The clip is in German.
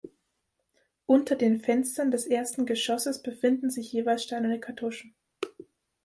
Unter den Fenstern des ersten Geschosses befinden sich jeweils steinerne Kartuschen.